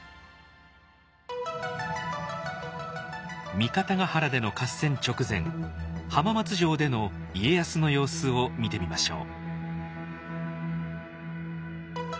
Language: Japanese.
三方ヶ原での合戦直前浜松城での家康の様子を見てみましょう。